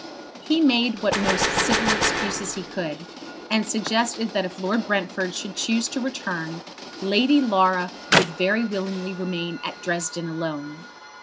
He made what most civil excuses he could, and suggested that if Lord Brentford should choose to return, Lady Laura would very willingly remain at Dresden alone.